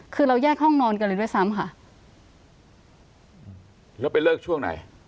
คือเราแยกห้องนอนกันเลยด้วยซ้ำค่ะแล้วไปเลิกช่วงไหน